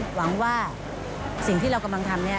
หวังว่าสิ่งที่เรากำลังทำเนี่ย